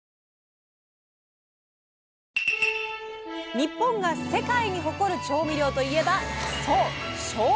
日本が世界に誇る調味料といえばそう！